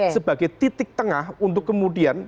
sebagai titik tengah untuk kemudian